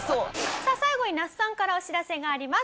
さあ最後に那須さんからお知らせがあります。